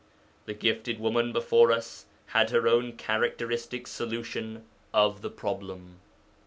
The gifted woman before us had her own characteristic solution of the problem.